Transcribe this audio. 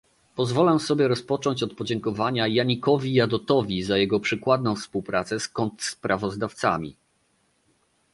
Pozwolę sobie rozpocząć od podziękowania Yannickowi Jadotowi za jego przykładną współpracę z kontrsprawozdawcami